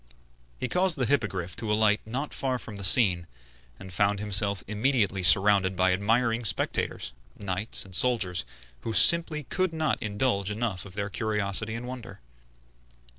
He caused the Hippogriff to alight not far from the scene, and found himself immediately surrounded by admiring spectators, knights and soldiers, who could not enough indulge their curiosity and wonder.